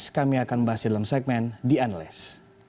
kami akan bahas di dalam segmen the analyst